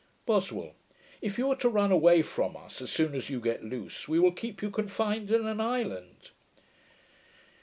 BOSWELL. 'If you are to run away from us, as soon as you get loose, we will keep you confined in an island.'